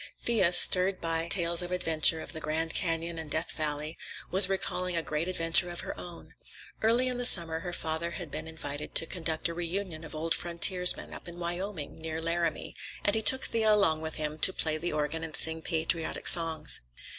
Thea, stirred by tales of adventure, of the Grand Canyon and Death Valley, was recalling a great adventure of her own. Early in the summer her father had been invited to conduct a reunion of old frontiersmen, up in Wyoming, near Laramie, and he took Thea along with him to play the organ and sing patriotic songs.